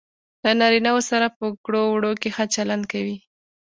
له نارینه وو سره په ګړو وړو کې ښه چلند کوي.